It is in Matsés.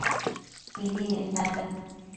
mibi menda nio